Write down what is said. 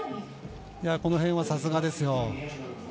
この辺は、さすがですよ。